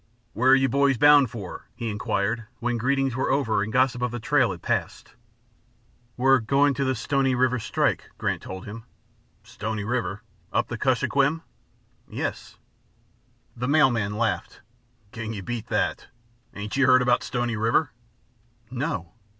"Where are you boys bound for?" he inquired when greetings were over and gossip of the trail had passed. "We're going to the Stony River strike," Grant told him. "Stony River? Up the Kuskokwim?" "Yes!" The mail man laughed. "Can you beat that? Ain't you heard about Stony River?" "No!"